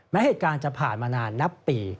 เหตุการณ์จะผ่านมานานนับปี